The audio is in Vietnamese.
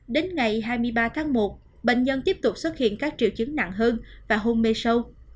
đến ngày hai mươi ba tháng một bệnh nhân tiếp tục xuất hiện các triệu chứng nặng hơn và hôn mê sâu